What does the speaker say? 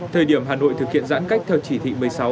thời điểm hà nội thực hiện giãn cách theo chỉ thị một mươi sáu